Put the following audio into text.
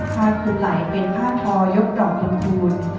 ผ้าพื้นไหล่เป็นผ้าทอยกดอกชมพูน